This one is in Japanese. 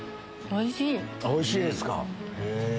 おいしいですか。